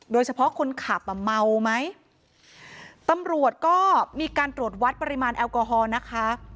คนขับอ่ะเมาไหมตำรวจก็มีการตรวจวัดปริมาณแอลกอฮอล์นะคะ